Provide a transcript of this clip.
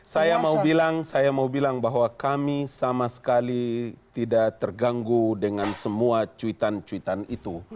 saya mau bilang saya mau bilang bahwa kami sama sekali tidak terganggu dengan semua cuitan cuitan itu